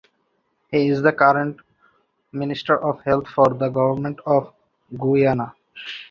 He is the current Minister of Health for the Government of Guyana.